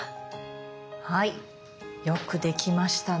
はいよく出来ましたね。